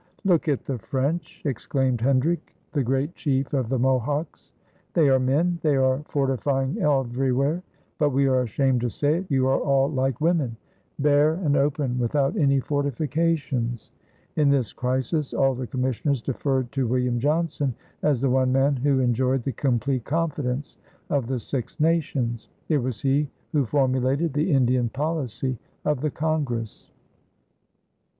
"Look at the French!" exclaimed Hendrick, the great chief of the Mohawks. "They are men. They are fortifying everywhere; but, we are ashamed to say it, you are all like women bare and open without any fortifications." In this crisis all the commissioners deferred to William Johnson as the one man who enjoyed the complete confidence of the Six Nations. It was he who formulated the Indian policy of the congress.